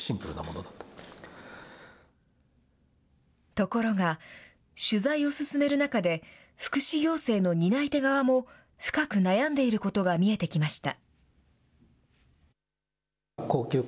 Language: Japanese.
ところが、取材を進める中で、福祉行政の担い手側も深く悩んでいることが見えてきました。